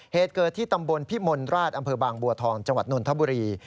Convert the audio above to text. เหตุเกิดที่ตำบลพิมลราชอำเภอบางบัวทองจังหวัดนนทบุรี